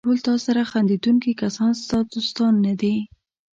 ټول تاسره خندېدونکي کسان ستا دوستان نه دي.